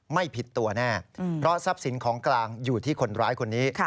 ไม่ผิดตัวแน่เพราะทรัพย์สินของกลางอยู่ที่คนร้ายคนนี้